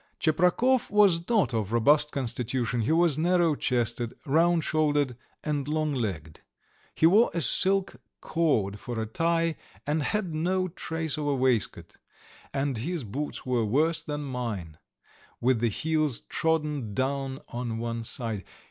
Tcheprakov was not of robust constitution: he was narrow chested, round shouldered, and long legged. He wore a silk cord for a tie, had no trace of a waistcoat, and his boots were worse than mine, with the heels trodden down on one side.